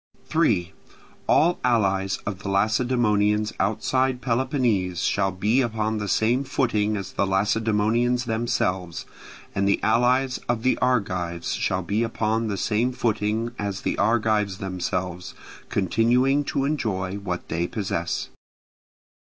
3. All allies of the Lacedaemonians outside Peloponnese shall be upon the same footing as the Lacedaemonians themselves, and the allies of the Argives shall be upon the same footing as the Argives themselves, continuing to enjoy what they possess.